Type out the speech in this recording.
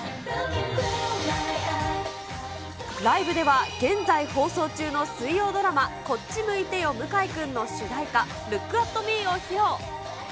ライブでは、現在放送中の水曜ドラマ、こっち向いてよ向井くんの主題歌、ＬＯＯＫＡＴＭＥを披露。